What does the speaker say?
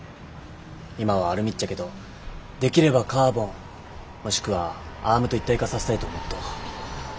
今はアルミっちゃけどできればカーボンもしくはアームと一体化させたいと思っとう。